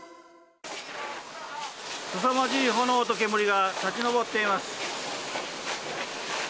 すさまじい炎と煙が立ち上っています。